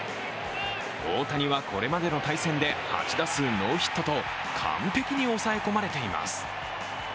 大谷は、これまでの対戦で８打数ノーヒットと完璧に抑え込まれています。